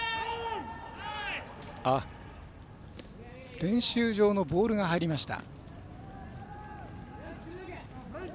練習場のボールが入りました。